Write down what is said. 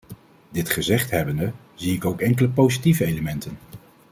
Dit gezegd hebbende, zie ik ook enkele positieve elementen.